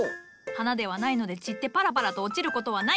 花ではないので散ってパラパラと落ちることはない。